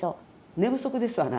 寝不足ですわな。